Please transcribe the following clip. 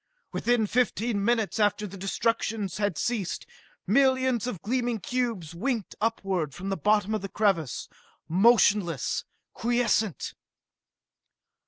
Within fifteen minutes after the destruction had ceased, millions of gleaming cubes winked upward from the bottom of the crevasse motionless, quiescent!